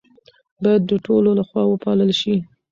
باید د ټولو لخوا وپالل شي.